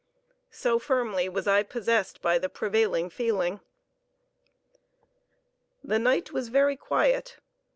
So firmly was I possessed by the prevailing feeling. The night was very quiet.